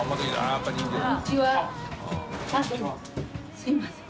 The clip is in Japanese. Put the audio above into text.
すみません。